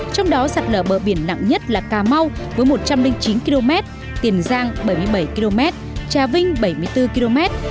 trong đó sạt lở bờ biển nặng nhất là cà mau với một trăm linh chín km tiền giang bảy mươi bảy km trà vinh bảy mươi bốn km